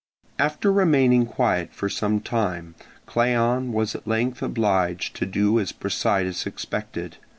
After remaining quiet for some time, Cleon was at length obliged to do as Brasidas expected.